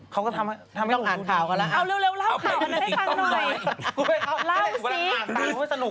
เขาก็ทำให้ลูกฟูดีนะครับเอาเร็วเล่าข่าวขันให้ฟังหน่อยเล่าสิ